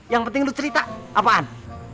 yang penting lu cerita apaan